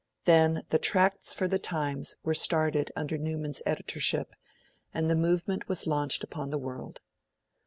Then the Tracts for the Times were started under Newman's editorship, and the Movement was launched upon the world.